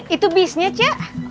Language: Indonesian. itu bisnya cek